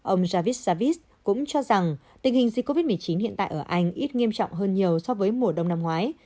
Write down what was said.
ông javis savis cũng cho rằng tình hình dịch covid một mươi chín hiện tại ở anh ít nghiêm trọng hơn nhiều so với mùa đông năm ngoái